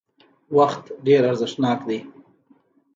وخت ډېر ارزښتناک دی